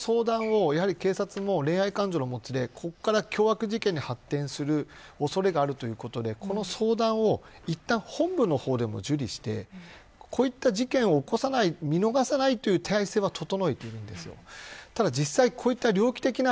今、このようなストーカーの相談を警察も、恋愛感情のもつれが凶悪事件に発展する恐れがあるということでこの相談を行った本部の方にも受理してこういった事件を起こさない見逃さないという体制は整えているんですよ。